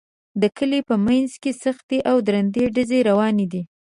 د کلي په منځ کې سختې او درندې ډزې روانې دي